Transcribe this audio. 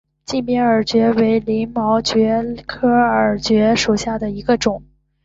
近边耳蕨为鳞毛蕨科耳蕨属下的一个种。